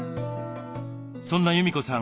そんな裕美子さん